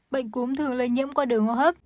bệnh cúm thường lây nhiễm qua đường hô hấp